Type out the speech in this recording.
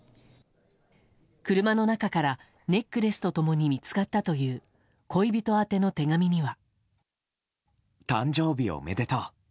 車の中からネックレスと共に見つかったという恋人宛ての手紙には。